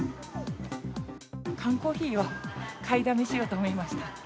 缶コーヒーを買いだめしようと思いました。